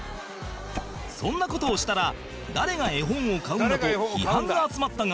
「そんな事をしたら誰が絵本を買うんだ！」と批判が集まったが